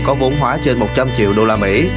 có vốn hóa trên một trăm linh triệu đô la mỹ